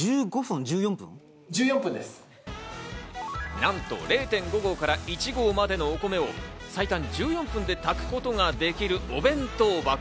なんと０．５合から１合までのお米を最短１４分で炊くことができる、お弁当箱。